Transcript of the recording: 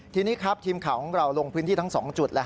ทีนี้ครับทีมข่าวของเราลงพื้นที่ทั้ง๒จุด